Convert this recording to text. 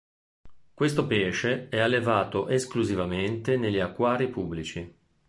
Questo pesce è allevato esclusivamente negli acquari pubblici.